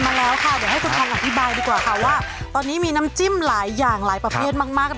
แต่ตอนนี้มีน้ำจิ้มหลายอย่างหลายประเภทมาก